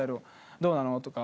「どうなの？」とか。